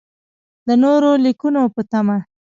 د نورو لیکنو په تمه.